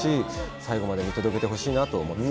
最後まで見届けてほしいなと思います。